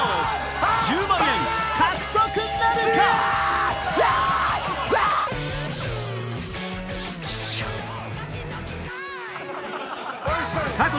１０万円獲得なるか⁉うわ‼